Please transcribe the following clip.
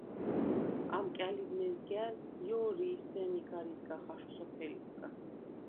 ამკა̈ლიბ მეზგა̄̈ლ ჲო̄რი ი სემი გარ იზგახ აშხვ სოფელისგა.